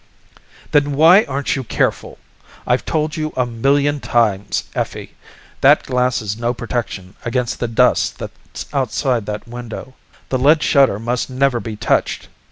"Then why aren't you careful? I've told you a million times, Effie, that glass is no protection against the dust that's outside that window. The lead shutter must never be touched!